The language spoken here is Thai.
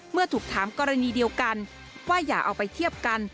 เมื่อถูกถามกรณีเดียวกันว่าอย่าเอาไปเทียบกัน